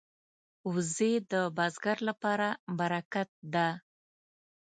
وزې د بزګر لپاره برکت ده